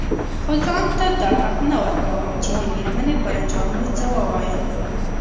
خو ځان ته دا حق نه ورکوم چې د مېرمنې پر جامو څه ووايم.